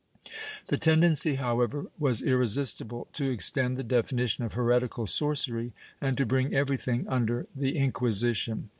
^ The tendency, however, was irresistible to extend the definition of heretical sorcery, and to bring everything under the Inquisition.